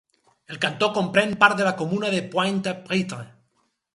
El cantó comprèn part de la comuna de Pointe-à-Pitre.